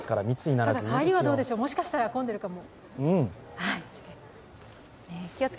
帰りはどうでしょう、もしかしたら混んでるかも。